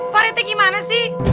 pak rt gimana sih